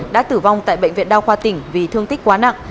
đã tử vong tại bệnh viện đa khoa tỉnh vì thương tích quá nặng